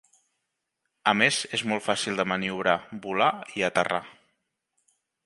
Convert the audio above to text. A més és molt fàcil de maniobrar, volar i aterrar.